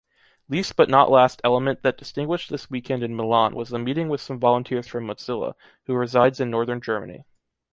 Least but not last element that distinguished this weekend in Milan was the meeting with some volunteers from Mozilla, who resides in North Italy.